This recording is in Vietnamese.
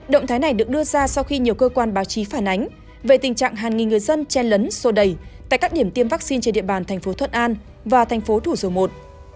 động thái này được đưa ra sau khi nhiều cơ quan báo chí phản ánh về tình trạng hàng nghìn người dân chen lấn sô đẩy tại các điểm tiêm vaccine trên địa bàn thành phố thuận an và thành phố thủ dầu một